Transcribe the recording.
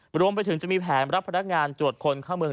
รวมไปถึงจะมีแผนรับพนักงานตรวจคนเข้าเมือง